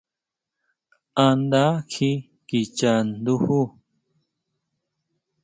¿A nda kjí kicha nduju?